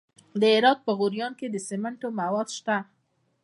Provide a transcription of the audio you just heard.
د هرات په غوریان کې د سمنټو مواد شته.